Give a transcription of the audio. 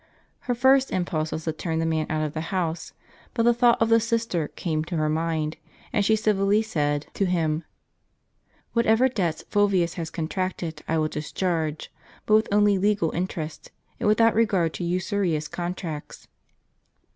Her first impulse was to turn the man out of the house ; but the thought of the sister came to her mind, and yhe civilly said to him : "Whatever debts. Fulvius has contracted I will discharge; but with only legal interest, and without regard to usurious contracts."